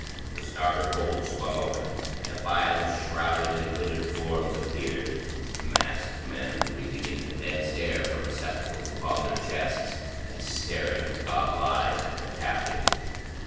The starboard hold swung open, and a file of shrouded and hooded forms appeared, masked men, breathing in condensed air from receptacles upon their chests, and staring with goggle eyes at their captives.